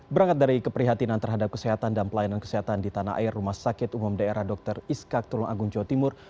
berangkat dari keprihatinan terhadap kesehatan dan pelayanan kesehatan di tanah air rumah sakit umum daerah dr iskak tulung agung jawa timur